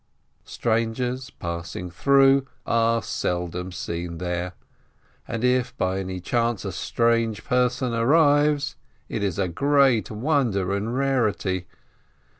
Strangers, passing through, are seldom seen there, and if by any chance a strange person arrives, it is a great wonder and rarity.